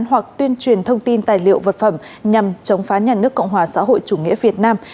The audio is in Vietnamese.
hoặc tuyên truyền thông tin tài liệu vật phẩm nhằm chống phá nhà nước cộng hòa xã hội chủ nghĩa việt nam